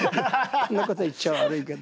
こんなこと言っちゃ悪いけど。